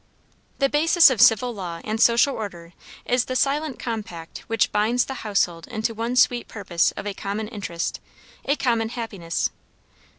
The basis of civil law and social order is the silent compact which binds the household into one sweet purpose of a common interest, a common happiness.